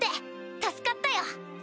助かったよ！